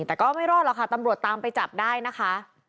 แต่ก็ไม่รอดหรอกค่ะตำรวจตามไปจับได้นะคะ